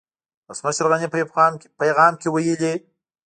ولسمشر غني په يو پيغام کې ويلي